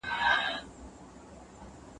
لاجورد بې ځلا نه وي.